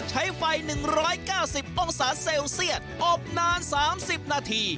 ใช้ไฟ๑๙๐องศาเซลเซียตอบนาน๓๐นาที